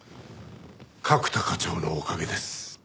角田課長のおかげです。